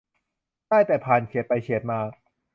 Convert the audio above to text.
ได้แต่ผ่านเฉียดไปเฉียดมา